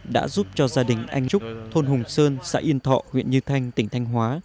đã giúp cho gia đình anh trúc thôn hùng sơn xã yên thọ huyện như thanh tỉnh thanh hóa